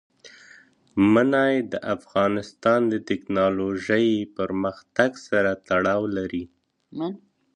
منی د افغانستان د تکنالوژۍ پرمختګ سره تړاو لري.